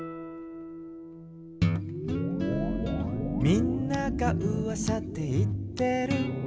「みんながうわさでいってる」